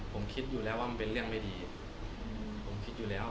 ผมคิดอยู่แล้วว่ามันเป็นเรื่องไม่ดีผมคิดอยู่แล้ว